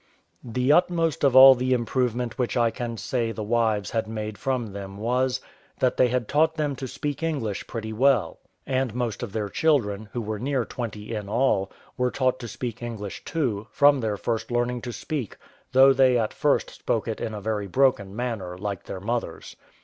The utmost of all the improvement which I can say the wives had made from them was, that they had taught them to speak English pretty well; and most of their children, who were near twenty in all, were taught to speak English too, from their first learning to speak, though they at first spoke it in a very broken manner, like their mothers.